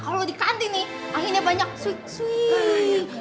nah kalau di kantin nih anginnya banyak sweet sweet